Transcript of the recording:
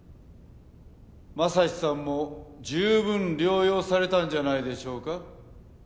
匡さんも十分療養されたんじゃないでしょうか。